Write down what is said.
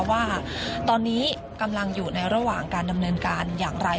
ว่าตอนนี้กำลังอยู่ในระหว่างการดำเนินการอย่างไร